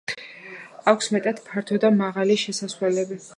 აქვს მეტად ფართო და მაღალი შესასვლელები.